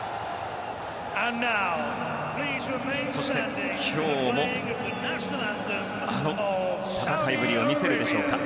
そして今日もあの戦いぶりを見せるでしょうか。